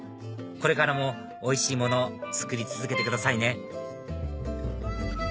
これからもおいしいもの作り続けてくださいね！